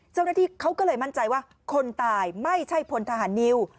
เจ้าหน้าที่เขาก็เลยมั่นใจว่าคนตายไม่ใช่พลทหารนิว